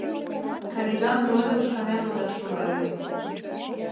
Каритон рольым шканем модаш логале.